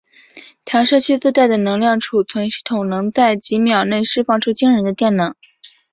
弹射器自带的能量存储系统能在几秒内释放出惊人的电能。